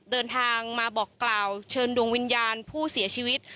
เดินทางมาบอกกล่าวเชิญดวงวิญญาณผู้เสียชีวิต